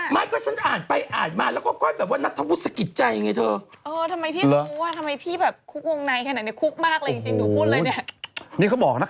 ไม่ก็ฉันอ่านไปอ่านมาแล้วก็แบบนบุ๊ดสกิดใจเงียงเถอะ